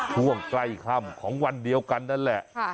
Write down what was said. ช่วงใกล้ค่ำของวันเดียวกันนั่นแหละ